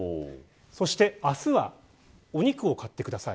そして、明日はお肉を買ってください。